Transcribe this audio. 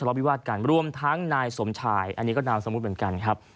วิวาดกันรวมทั้งนายสมชายอันนี้ก็นามสมมุติเหมือนกันครับ